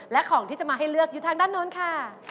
และของที่จะมาให้เลือกอยู่ทางด้านโน้นค่ะ